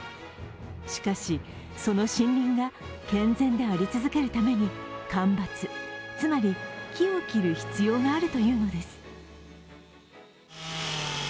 しかし、その森林が健全であり続けるために間伐、つまり木を切る必要があるというのです。